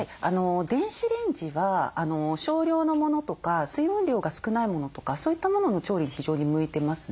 電子レンジは少量のものとか水分量が少ないものとかそういったものの調理に非常に向いてますね。